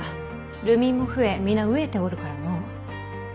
流民も増え皆飢えておるからの。